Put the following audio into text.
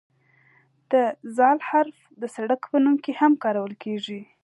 د "ذ" حرف د سړک په نوم کې هم کارول کیږي.